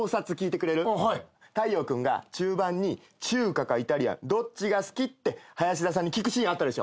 大陽君が中盤に「中華かイタリアンどっちが好き？」って林田さんに聞くシーンあったでしょ。